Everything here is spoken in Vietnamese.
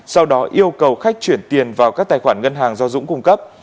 sau đó yêu cầu khách chuyển tiền vào các tài khoản ngân hàng do dũng cung cấp